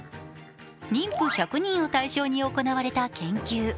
妊婦１００人を対象に行われた研究。